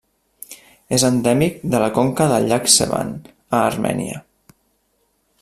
És endèmic de la conca del llac Sevan, a Armènia.